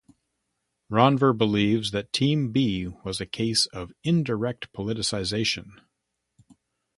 Rovner believes that Team B was a case of indirect politicization.